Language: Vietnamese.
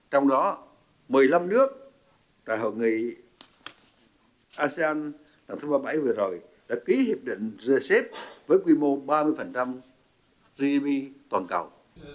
trong đó một mươi năm nước tại hội nghị asean tháng ba bảy vừa rồi đã ký hiệp định rời xếp với quy mô ba mươi gdp toàn cầu